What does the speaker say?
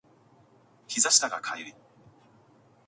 膝下が痒い